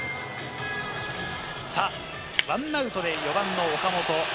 さぁ、１アウトで４番の岡本。